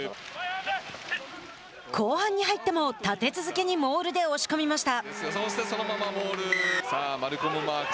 後半に入っても立て続けにモールで押し込みました。